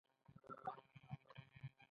زه د مرکز شرنی اوسیدونکی یم.